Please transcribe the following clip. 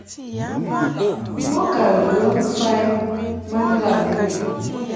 Bo ka ghə mfa i ma njuʼ ndu i.